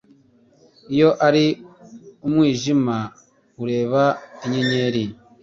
Iyo ari umwijima ureba inyenyeri.